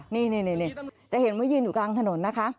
นี่จะเห็นว่ายืนอยู่กลางถนนนะคะ